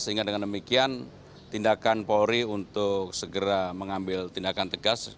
sehingga dengan demikian tindakan polri untuk segera mengambil tindakan tegas